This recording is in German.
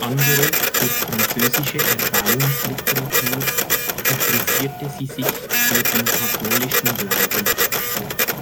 Angeregt durch französische Erbauungsliteratur interessierte sie sich für den katholischen Glauben.